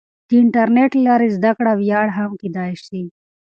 د انټرنیټ له لارې زده کړه وړیا هم کیدای سي.